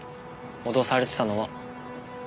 脅されてたのは。